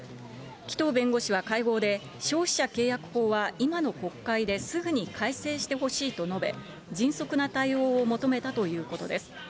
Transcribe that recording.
紀藤弁護士は会合で、消費者契約法は今の国会ですぐに改正してほしいと述べ、迅速な対応を求めたということです。